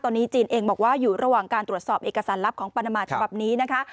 ตอนนี้จีนเองบอกว่าอยู่ระหว่างการตรวจสอบเอกสารลับของปานามาฉบับนี้นะคะ